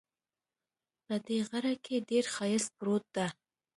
په دې غره کې ډېر ښایست پروت ده